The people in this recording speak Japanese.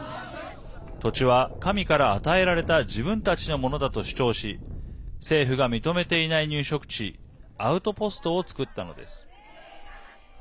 土地は、神から与えられた自分たちのものだと主張し政府が認めていない入植地アウトポストを作ったのです。